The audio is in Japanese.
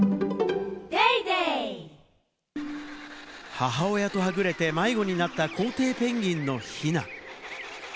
母親とはぐれて迷子になったコウテイペンギンのヒナ。